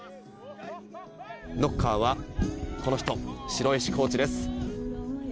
ノッカーはこの人城石コーチです。